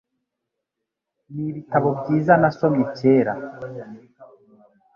N'ibitabo byiza nasomye kera